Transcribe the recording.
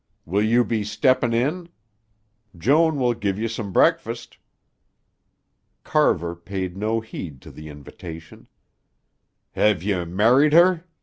Will you be steppin' in? Joan will give you some breakfast." Carver paid no heed to the invitation. "Hev you married her?"